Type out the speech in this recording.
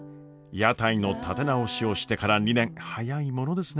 屋台の立て直しをしてから２年早いものですね。